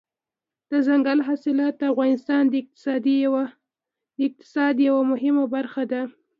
دځنګل حاصلات د افغانستان د اقتصاد یوه مهمه برخه ده.